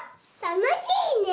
楽しいね。